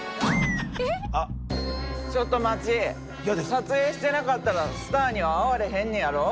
撮影してなかったらスターには会われへんねやろ？